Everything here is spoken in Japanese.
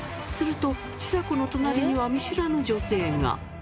するとちさ子の隣には見知らぬ女性が。